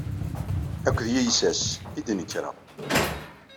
Akked yiysas ay d-nekreɣ.